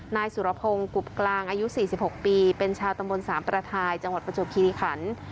นายสุรพงศ์กุบกลางอายุ๔๖ปีเป็นชาวตำบลสามประทายจังหวัดประจวบคิริขัน